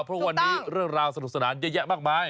เพราะวันนี้เรื่องราวสนุกสนานเยอะแยะมากมาย